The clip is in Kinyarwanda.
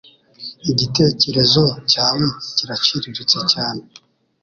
Igitecyerezo cyawe kiraciriritse cyane